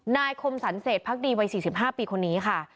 คมสรรเศษพักดีวัย๔๕ปีคนนี้ค่ะ